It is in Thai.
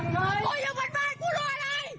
ไม่รู้เรื่องอะไร